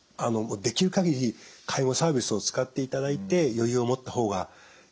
できる限り介護サービスを使っていただいて余裕を持った方がいいです。